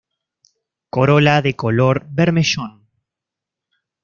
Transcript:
Corola de color bermellón.